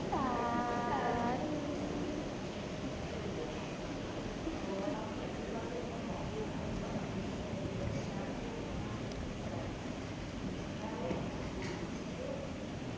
สวัสดีครับสวัสดีครับ